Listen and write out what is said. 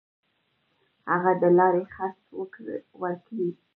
هغه د لارې خرڅ ورکړي.